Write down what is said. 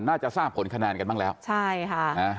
น่าจะทราบผลคะแนนกันบ้างแล้วใช่ค่ะนะ